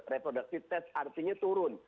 reproduktif test artinya turun